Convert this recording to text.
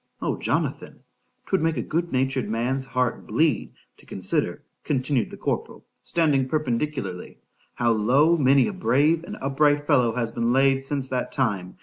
—O Jonathan! 'twould make a good natured man's heart bleed, to consider, continued the corporal (standing perpendicularly), how low many a brave and upright fellow has been laid since that time!